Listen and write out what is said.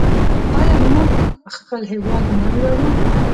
آیا موږ په خپل هیواد نه ویاړو؟